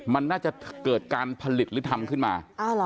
มันน่าจะเกิดการผลิตหรือทำขึ้นมา